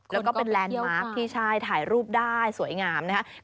แล้วก็เป็นแลนด์มาร์คที่ใช่ถ่ายรูปได้สวยงามนะครับ